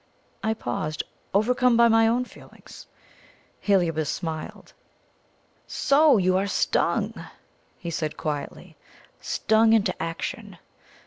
I paused, overcome by my own feelings. Heliobas smiled. "So! You are stung!" he said quietly; "stung into action.